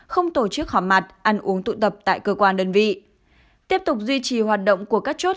không tổ chức họp mặt ăn uống tụ tập tại cơ quan đơn vị tiếp tục duy trì hoạt động của các chốt